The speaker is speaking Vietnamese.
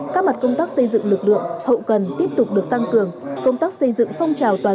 các mặt công tác xây dựng lực lượng hậu cần tiếp tục được tăng cường công tác xây dựng phong trào toàn dân